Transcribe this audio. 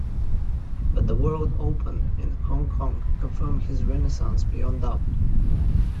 But the World Open in Hong Kong confirmed his renaissance beyond doubt.